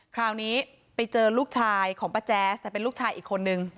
คราวนี้ไปเจอลูกชายของป้าแจ๊สแต่เป็นลูกชายอีกคนนึง